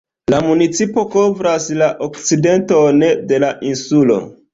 La municipo kovras la okcidenton de la insulo.